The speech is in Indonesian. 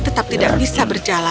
kami akan mencari